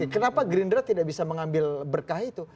kenapa gerindra tidak bisa mengambil berkah itu